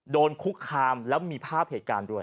โดนคุกคามแล้วมีภาพเหตุการณ์ด้วย